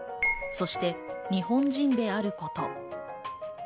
そして日本人であること。